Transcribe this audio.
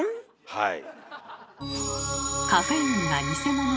はい。